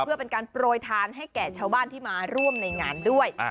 เพื่อเป็นการโปรยทานให้แก่ชาวบ้านที่มาร่วมในงานด้วย